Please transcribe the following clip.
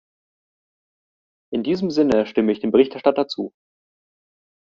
In diesem Sinne stimme ich dem Berichterstatter zu.